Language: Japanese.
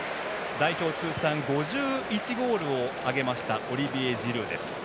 代表通算５１ゴールを挙げましたオリビエ・ジルーです。